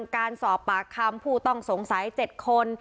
การสอบปากคำผู้ต้องสงสัย๗คน